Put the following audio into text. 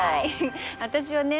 私はね